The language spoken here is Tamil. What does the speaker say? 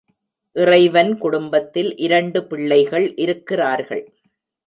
இறைவன் குடும்பத்தில் இரண்டு பிள்ளைகள் இருக்கிறார்கள்.